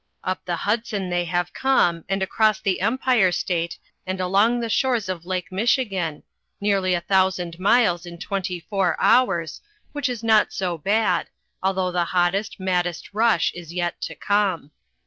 Up the Hudson they have come, and across the Empire State and along the shores of Lake Michigan, nearly a thousand miles in twenty four hours, which is not so bad, although the hottest, maddest rush is yet to come.